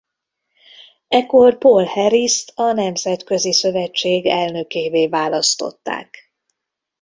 Ekkor Paul Harrist a Nemzetközi Szövetség elnökévé választották.